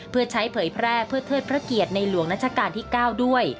เพื่อใช้เผยแพร่เพื่อเทิดพระเกียรติในหลวงรัชกาลที่๙ด้วย